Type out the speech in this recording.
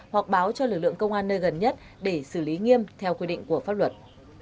hoặc báo cho lực lượng công an nơi gần nhất để xử lý nghiêm theo quy định của pháp luật